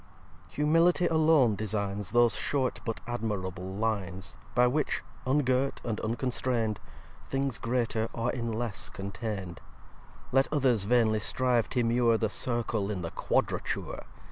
vi Humility alone designs Those short but admirable Lines, By which, ungirt and unconstrain'd, Things greater are in less contain'd. Let others vainly strive t'immure The Circle in the Quadrature!